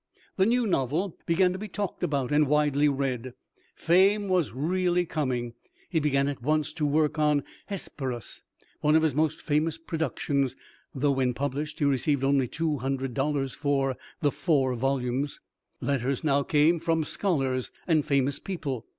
The new novel began to be talked about and widely read. Fame was really coming. He began at once to work on "Hesperus," one of his most famous productions, though when published he received only two hundred dollars for the four volumes. Letters now came from scholars and famous people.